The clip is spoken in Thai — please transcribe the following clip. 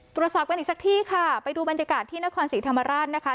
ตุรสาวกเป็นอีกซักที่ค่ะไปดูบรรยากาศที่นครศิษย์ธรรมราชนะคะ